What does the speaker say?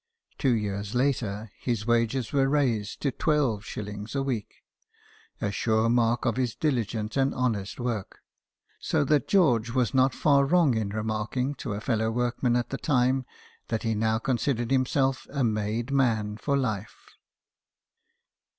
Two years later, his wages were raised to twelve shillings a week, a sure mark of his diligent and honest work ; so that George was not far wrong in remarking to a fellow workman at the time that he now con sidered himself a made man for life.